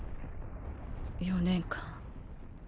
４年間。